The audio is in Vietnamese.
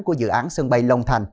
của dự án sân bay lòng thành